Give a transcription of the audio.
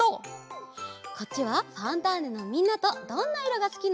こっちは「ファンターネ！」のみんなと「どんな色がすき」のえ。